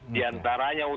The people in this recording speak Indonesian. di antaranya untuk